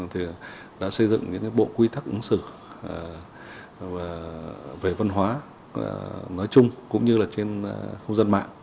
thì đã xây dựng những bộ quy tắc ứng xử về văn hóa nói chung cũng như là trên khu dân mạng